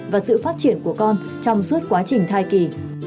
và sự phát triển của con trong suốt quá trình thai kỳ